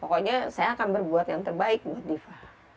pokoknya saya akan berbuat yang terbaik buat diva